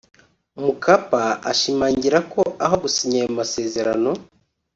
Mkapa ashimangira ko aho gusinya ayo masezerano